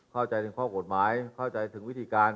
เข้าใจถึงข้อกฎหมายเข้าใจถึงวิธีการ